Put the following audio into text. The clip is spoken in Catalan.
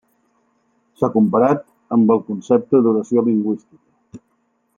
S'ha comparat amb el concepte d'oració lingüística.